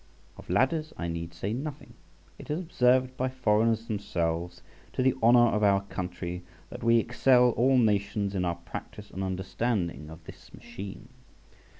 Of Ladders I need say nothing. It is observed by foreigners themselves, to the honour of our country, that we excel all nations in our practice and understanding of this machine.